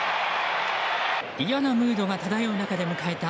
嫌なムードが漂う中で迎えた